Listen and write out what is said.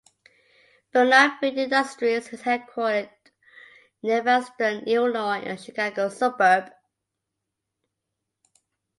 Bernard Food Industries is headquartered in Evanston, Illinois, a Chicago suburb.